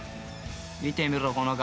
［見てみろこの顔。